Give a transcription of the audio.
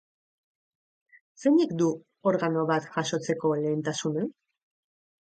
Zeinek du organo bat jasotzeko lehentasuna?